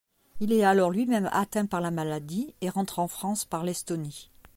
Il est alors lui-même atteint par la maladie et rentre en France par l'Estonie.